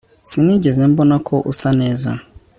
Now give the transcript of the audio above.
Sinigeze mbona ko usa neza